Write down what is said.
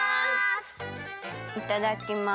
いただきます。